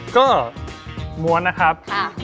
ก็ม้วนนะครับ